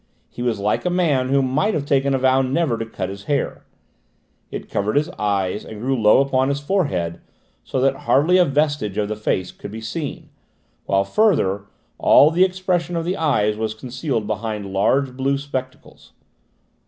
He was like a man who might have taken a vow never to cut his hair. It covered his ears and grew low upon his forehead, so that hardly a vestige of the face could be seen, while, further, all the expression of the eyes was concealed behind large blue spectacles.